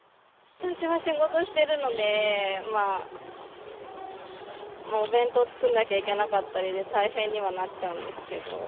私は仕事しているので、お弁当作んなきゃいけなかったりで、大変にはなっちゃうんですけど。